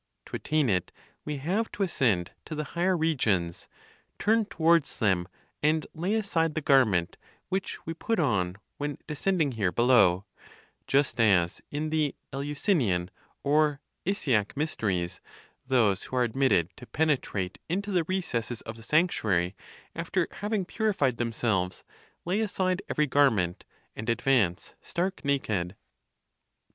To attain it, we have to ascend to the higher regions, turn towards them, and lay aside the garment which we put on when descending here below; just as, in the (Eleusynian, or Isiac) mysteries, those who are admitted to penetrate into the recesses of the sanctuary, after having purified themselves, lay aside every garment, and advance stark naked.